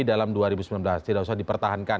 dalam dua ribu sembilan belas tidak usah dipertahankan